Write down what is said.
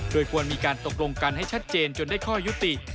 โดยควรมีการตกลงกันให้ชัดเจนจนได้ข้อยุติ